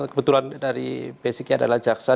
kebetulan dari basicnya adalah jaksa